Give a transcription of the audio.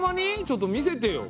ちょっと見せてよ。